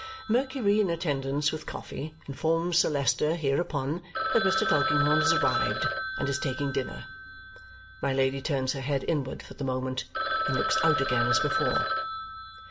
Mercury in attendance with coffee informs Sir Leicester, hereupon, that Mr. Tulkinghorn has arrived and is taking dinner. My Lady turns her head inward for the moment, then looks out again as before.